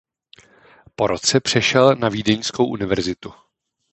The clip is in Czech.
Po roce přešel na Vídeňskou univerzitu.